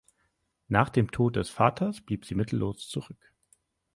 Nach dem Tod des Vaters blieb sie mittellos zurück.